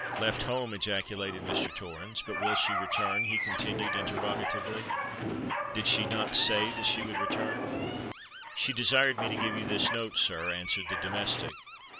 "Left home!" ejaculated Mr. Torrens. "But she will return?" he continued interrogatively. "Did she not say that she would return?" "She desired me to give you this note, sir," answered the domestic.